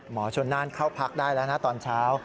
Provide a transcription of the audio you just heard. ชนน่านเข้าพักได้แล้วนะตอนเช้า